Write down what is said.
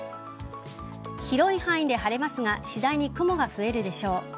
広い範囲で晴れますが次第に雲が増えるでしょう。